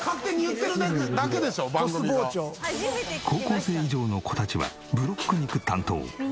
高校生以上の子たちはブロック肉担当。